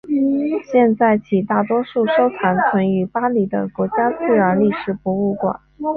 现在起大多数收藏存于巴黎的国家自然历史博物馆。